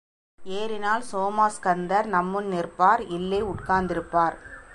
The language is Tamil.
ஏறினால் சோமாஸ்கந்தர் நம்முன் நிற்பார் இல்லை, உட்கார்ந்திருப்பார்.